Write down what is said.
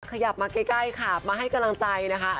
ขยับมาใกล้ค่ะมาให้กำลังใจนะคะ